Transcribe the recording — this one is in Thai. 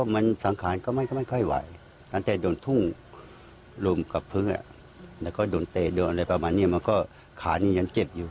มันก็หนีไม่ไกล